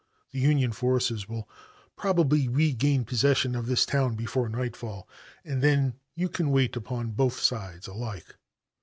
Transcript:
The Union forces will probably regain possession of this town before nightfall, and then you can wait upon both sides alike."